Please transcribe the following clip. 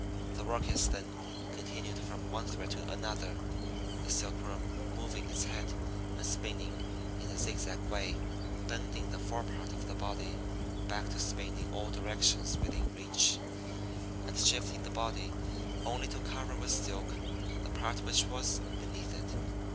The work is then continued from one thread to another, the Silkworm moving its head and spinning in a zig zag way, bending the forepart of the body back to spin in all directions within reach, and shifting the body only to cover with silk the part which was beneath it.